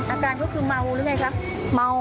อาการเขาคือเมาหรือไงคะ